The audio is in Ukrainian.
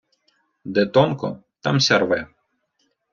Де тонко, там ся рве.